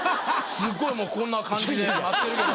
すごいもうこんな感じで待ってるけど。